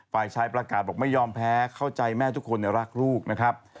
ฝ่ายชายประกาศบอกไม่ยอมแพ้เข้าใจแม่ทุกคนรักลูกนะครับ